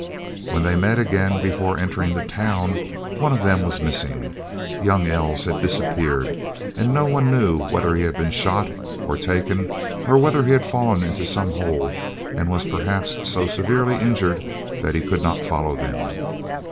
When they met again, before entering the town, one of them was missing! Young Els had disappeared, and no one knew whether he had been shot or taken, or whether he had fallen into some hole and perhaps been so severely injured that he could not follow them.